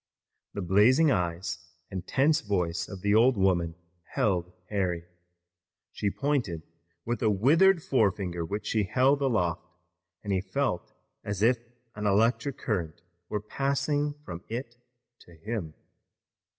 The blazing eyes and tense voice of the old woman held Harry. She pointed with a withered forefinger which she held aloft and he felt as if an electric current were passing from it to him.